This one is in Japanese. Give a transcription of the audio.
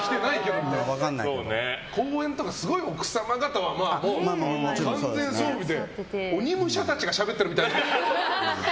公園とか、すごい奥様方は完全装備で、鬼武者たちがしゃべってるみたいな。